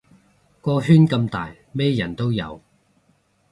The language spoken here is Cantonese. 個圈咁大咩人都有